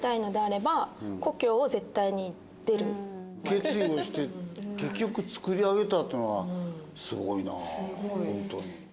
決意をして結局作り上げたっていうのはすごいな本当に。